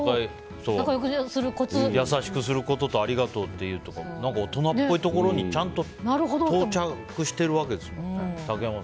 それは優しくすることとありがとうって大人っぽいところにちゃんと到着しているわけですんね。